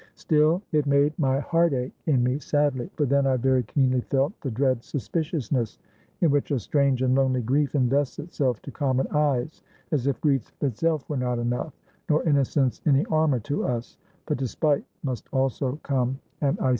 Still, it made my heart ache in me sadly; for then I very keenly felt the dread suspiciousness, in which a strange and lonely grief invests itself to common eyes; as if grief itself were not enough, nor innocence any armor to us, but despite must also come, and icy infamy!